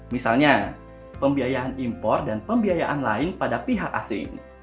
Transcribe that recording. misalnya pembiayaan impor dan pembiayaan lain pada pihak asing